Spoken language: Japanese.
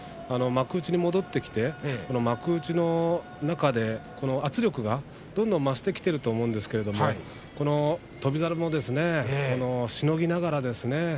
幕内に戻ってきて、幕内の中で圧力がどんどん増してきていると思うんですけれどこの翔猿もですねしのぎながらですね